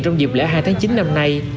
trong dịp lễ hai tháng chín năm nay